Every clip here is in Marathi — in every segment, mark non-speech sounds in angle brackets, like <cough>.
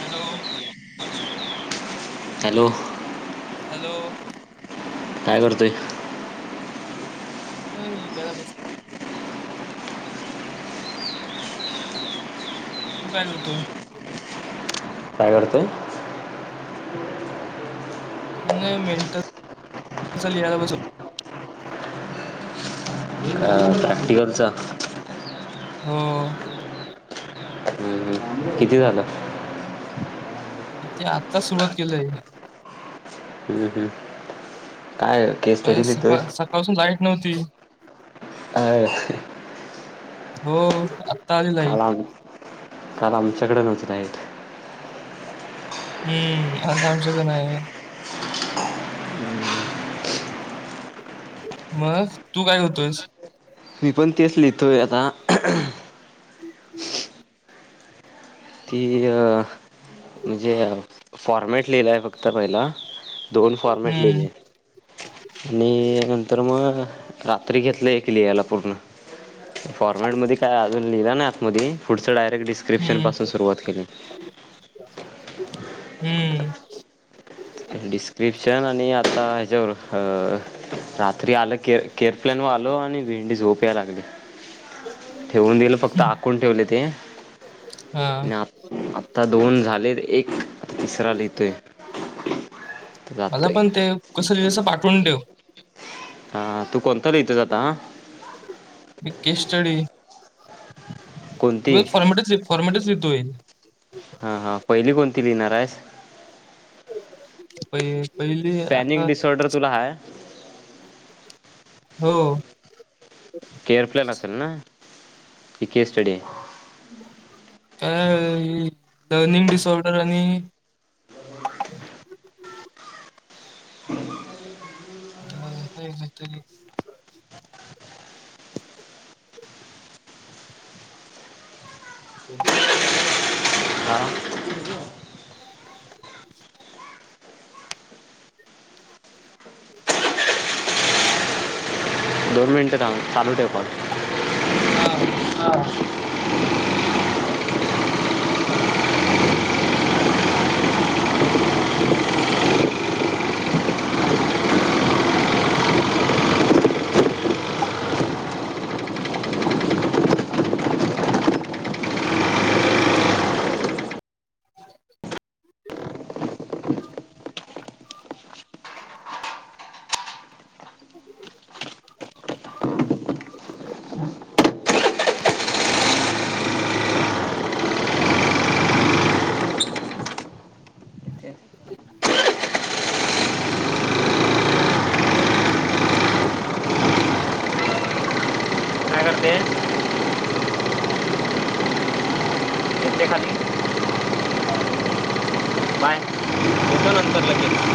हॅलो हॅलो हॅलो काय करतोय? मी जला बस् तू काय करतोय? काय करतोय? मी मींटं <unintelligible> स् लियाल बस् अ प्रॅक्टिकलचं? हो किती झालं? इते आत्ता सुवात केलोय. हम्-हम् काय केस स्टडी लीहतोयस? नवती. अं हो ताअली काल लाईट. आम काल आमच्याकडे नवती लाईट. हम्म, आण् सांगू शक नाही. मस तू काय कतोयस? मी पण तेच लिथोय आता. ती अ म्हणजे फॉर्मेट लिहिलाय फक्त पहिला. दोन फॉर्मेट हम्म लिहिले. आणि नंतर म रात्री घेतलं एक लिहायला पूर्ण. फॉर्मेट मध्ये काय आजून लिहिला नाई आत मधी, पुढचं डाय एक डिस्क्रप्शन हम्म पास् सुरवात केली. हम्म डिस्क्रिप्शन आणि आता ह्याज्याव अ रात्री आलं के केअर प्लॅन वालो आणि भिंडी झोप. प्या लागले. ठेवून दिलं फक्त आकून ठेवले ते, हा नी आत-आता दोन झालेत एक <inaudible> तिसरा लिहितोय मला जातोय. पण ते कसं लिहिलेस पाठवून डेव हा तू कोणता लिहीतोयस आता? वी के स्टडी. कोणती? वीच फॉर्मेटिस, विथ फॉर्मेटिस. लिहितोय. हा-हा पहिली कोणती लिहिणार आहेस? पहि पहिली आता पॅनिक डिसऑर्डर तुला हाय. हो केअर प्लेन असेल ना. इ केे स्टडी आहे. काय ही लर्निंग डिसऑर्डर आणि हा काय नाही तरी हां <inaudible> मिंटं चालू ठेव कॉल. हा <inaudible> <inaudible> काय करते? येते खाली बाय येतो नंतर लगेच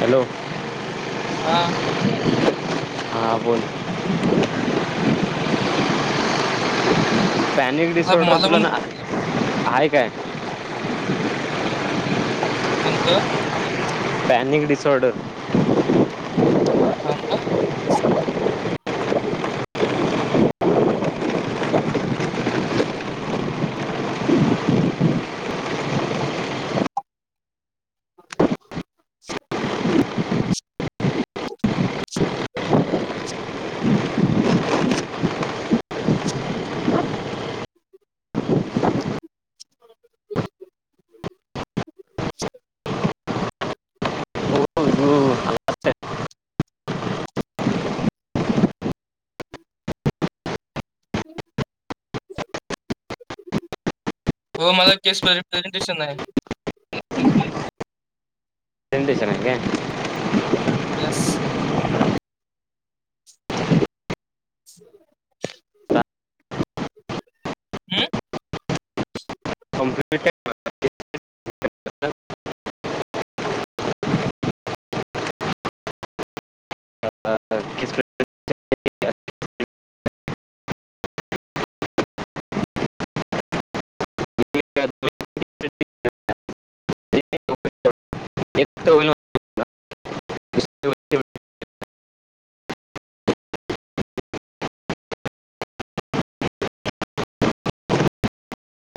हॅलो हा हां बोल अनेक मला डिसऑर्डर मला तुला पण ना हाय काय? कोणतं पॅनिक डिसऑर्डर थांबा <inaudible> <inaudible> <inaudible> <inaudible> हो, तू <inaudible> हो मला केस प्रे प्रेझेंटेशन आहे. सेन्डेशन हाय काय? यस <inaudible> हम्म. कंमप्यूटर <inaudible> <inaudible> <unintelligible> होईल